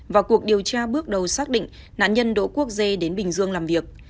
vào cuộc điều tra bước đầu xác định nạn nhân đỗ quốc dê đến bình dương làm việc